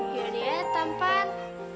ya deh sampan